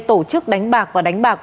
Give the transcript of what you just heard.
tổ chức đánh bạc và đánh bạc